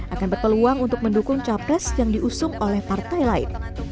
akan berpeluang untuk mendukung capres yang diusung oleh partai lain